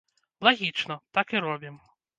Лагічна, так і робім!